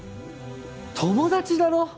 友達だろ！